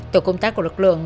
tổ công tác của lực lượng